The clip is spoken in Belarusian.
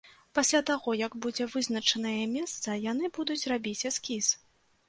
Пасля таго, як будзе вызначанае месца, яны будуць рабіць эскіз.